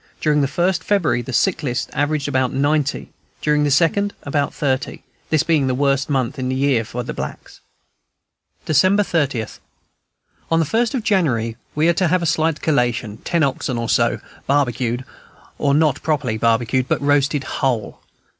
During the first February the sick list averaged about ninety, during the second about thirty, this being the worst month in the year for blacks. December 30. On the first of January we are to have a slight collation, ten oxen or so, barbecued, or not properly barbecued, but roasted whole.